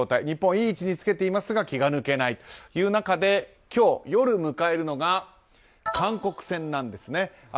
日本、いい位置につけていますが気が抜けないという中今日夜、迎えるのが韓国戦なんですね。